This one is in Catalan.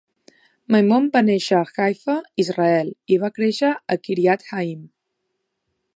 Maimon va néixer a Haifa, Israel, i va créixer a Kiryat Haim.